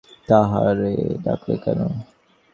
তাহলে ডাকলে কেন?